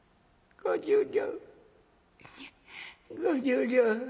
「５０両」。